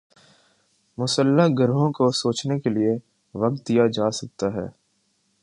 مسلح گروہوں کو سوچنے کے لیے وقت دیا جا سکتا ہے۔